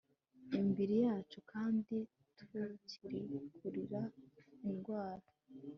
imibiri yacu kandi tukikururira indwara